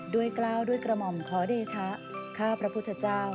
กล้าวด้วยกระหม่อมขอเดชะข้าพระพุทธเจ้า